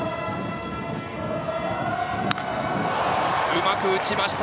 うまく打ちました！